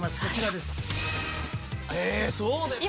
こちらです。